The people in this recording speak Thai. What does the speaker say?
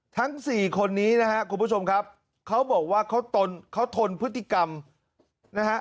ทั้งสี่คนนี้นะครับคุณผู้ชมครับเขาบอกว่าเขาตนเขาทนพฤติกรรมนะฮะ